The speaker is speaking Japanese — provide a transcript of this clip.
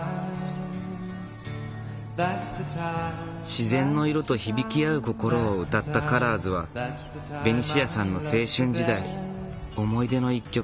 自然の色と響き合う心を歌った「カラーズ」はベニシアさんの青春時代思い出の１曲。